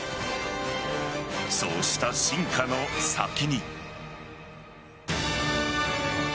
そうした進化の先に。